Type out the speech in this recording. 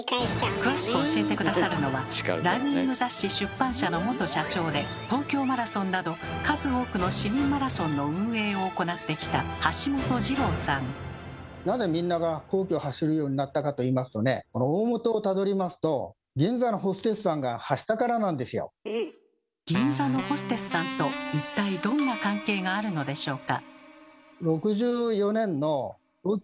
詳しく教えて下さるのはランニング雑誌出版社の元社長で東京マラソンなど数多くの市民マラソンの運営を行ってきたこの大本をたどりますと「銀座のホステスさん」と一体どんな関係があるのでしょうか？